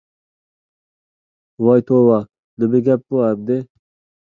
ۋاي توۋا، نېمە گەپ بۇ ئەمدى؟